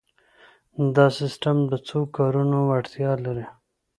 دا سیسټم د څو کارونو وړتیا لري.